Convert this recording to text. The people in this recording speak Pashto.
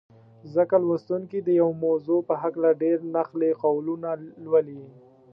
ځکه لوستونکي د یوې موضوع په هکله ډېر نقل قولونه لولي.